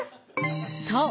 ［そう。